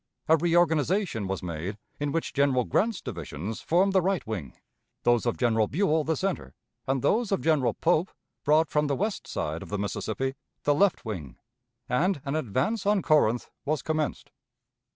A reorganization was made, in which General Grant's divisions formed the right wing, those of General Buell the center, and those of General Pope, brought from the west side of the Mississippi, the left wing; and an advance on Corinth was commenced.